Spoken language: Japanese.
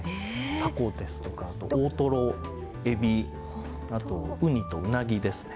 タコですとか大トロエビあとウニとウナギですね。